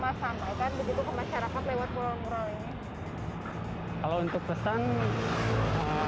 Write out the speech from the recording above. mas apa yang ingin mas sampaikan begitu ke masyarakat lewat mural ini